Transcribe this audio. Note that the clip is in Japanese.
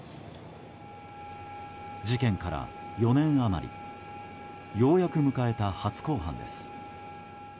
事件から４年余りようやく迎えた初公判です。